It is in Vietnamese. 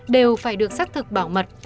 đều phải được xác thực bảo mật